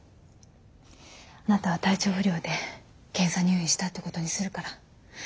あなたは体調不良で検査入院したってことにするから。